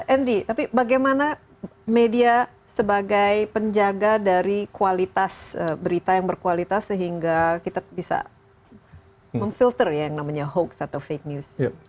andy tapi bagaimana media sebagai penjaga dari kualitas berita yang berkualitas sehingga kita bisa memfilter ya yang namanya hoax atau fake news